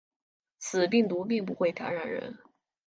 此病毒并不会感染人。